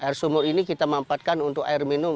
air sumur ini kita mampatkan untuk air minum